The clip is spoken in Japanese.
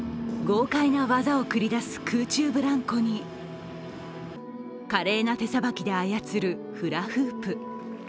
豪快な技を繰り出す空中ブランコに華麗な手さばきで操るフラフープ。